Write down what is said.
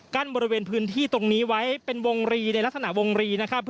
บริเวณพื้นที่ตรงนี้ไว้เป็นวงรีในลักษณะวงรีนะครับ